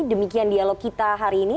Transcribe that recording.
demikian dialog kita hari ini